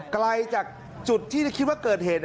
ไกลจากจุดที่คิดว่าเกิดเหตุ